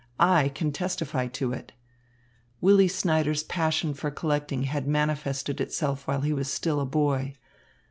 "I can testify to it." Willy Snyders' passion for collecting had manifested itself while he was still a boy.